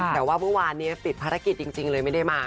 แต่ว่าเมื่อวานนี้ติดภารกิจจริงเลยไม่ได้มา